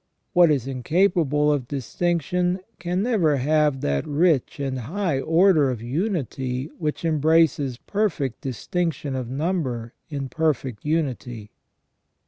What is incapable of distinction can never have that rich and high order of unity which embraces perfect distinction of number in perfect unity.